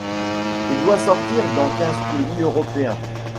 Il doit sortir dans quinze pays européens.